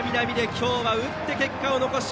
今日は打って結果を残し